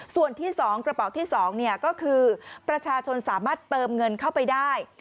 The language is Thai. ส่วนที่๒กระเป๋าที่๒ก็คือประชาชนสามารถเติมเงินเข้าไปได้